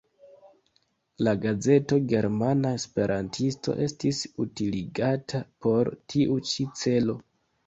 La gazeto "Germana Esperantisto" estis utiligata por tiu ĉi celo.